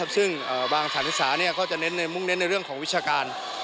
ซึ่งบางสถานศึกษาก็จะเน้นมุ่งเน้นในเรื่องของวิชาการ